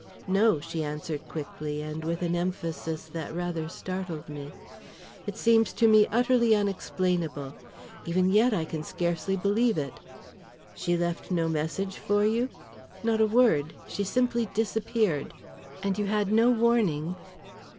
"No," she answered quickly, and with an emphasis that rather startled me. "It seems to me utterly unexplainable. Even yet, I can scarcely believe it!" "She left no message for you?" "Not a word; she simply disappeared." "And you had no warning?"